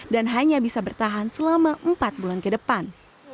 dan hanya bisa bertahan selama empat bulan ke depan